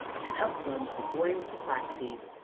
And up runs the boy with the flaxseed.